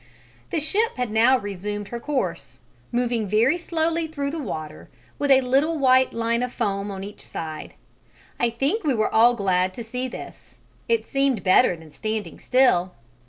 The ship had now resumed her course, moving very slowly through the water with a little white line of foam on each side. I think we were all glad to see this: it seemed better than standing still.